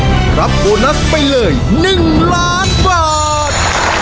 รับโบนัสไปเลย๑ล้านบาท